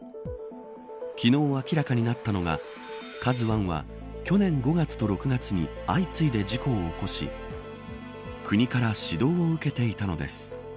昨日、明らかになったのがＫＡＺＵ１は、去年５月と６月に相次いで事故を起こし国から指導を受けていたのです。